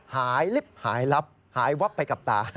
ลิฟต์หายลับหายวับไปกับตา